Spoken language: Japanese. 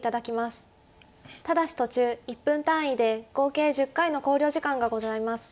ただし途中１分単位で合計１０回の考慮時間がございます。